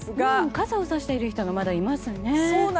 傘をさしている人がまだいますね。